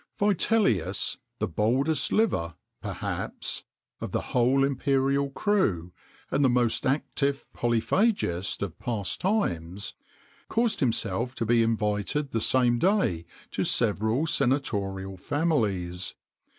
[XXIX 18] Vitellius, the boldest liver, perhaps, of the whole imperial crew, and the most active polyphagist of past times, caused himself to be invited the same day to several senatorial families.